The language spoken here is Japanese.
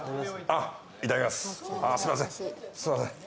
あっすいません